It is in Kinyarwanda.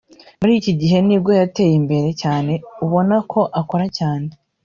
muri iki gihe nibwo yateye imbere cyane ubona ko akora cyane